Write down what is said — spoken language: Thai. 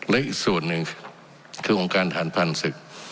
และอีกส่วนหนึ่งคือองค์การฐานผ่านศึก